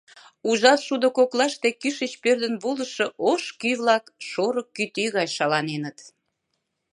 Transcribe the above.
Ужар шудо коклаште кӱшыч пӧрдын волышо ош кӱ-влак шорык кӱтӱ гай шаланеныт.